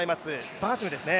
バーシムですね。